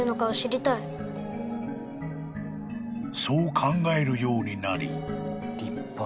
［そう考えるようになり］